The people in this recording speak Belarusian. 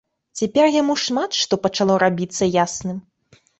Цяпер яму шмат што пачало рабіцца ясным.